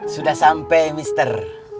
sudah sampai mister